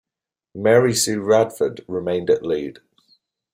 Mary Sue Radford remained at lead.